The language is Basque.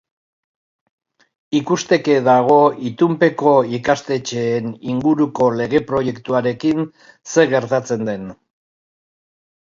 Ikusteke dago itunpeko ikastetxeen inguruko lege-proiektuarekin zer gertatzen den.